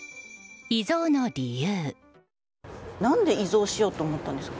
遺贈の理由。